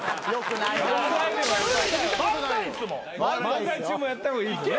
漫才中もやった方がいい。